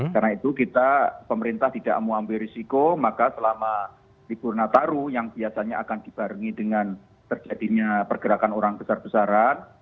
karena itu kita pemerintah tidak mau ambil risiko maka selama libur natal yang biasanya akan dibarengi dengan terjadinya pergerakan orang besar besaran